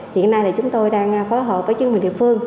hiện nay thì chúng tôi đang phối hợp với chương trình địa phương